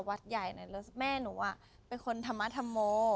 วัดใหญ่แล้วแม่หนูเป็นคนธรรมธรรโม